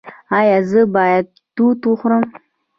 ایا زه باید توت وخورم؟